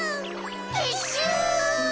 てっしゅう。